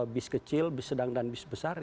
bus kecil bus sedang dan bus besar